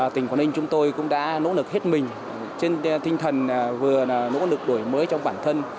tỉnh quảng ninh chúng tôi cũng đã nỗ lực hết mình trên tinh thần vừa là nỗ lực đổi mới trong bản thân